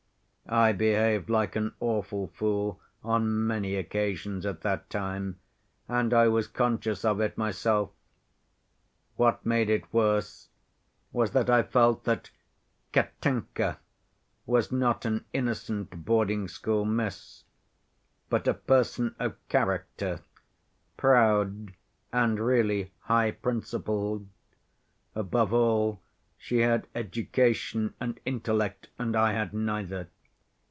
I behaved like an awful fool on many occasions at that time, and I was conscious of it myself. What made it worse was that I felt that 'Katenka' was not an innocent boarding‐school miss, but a person of character, proud and really high‐principled; above all, she had education and intellect, and I had neither.